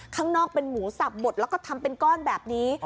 ข้างนอกเป็นหมูสับบดแล้วก็ทำเป็นก้อนแบบนี้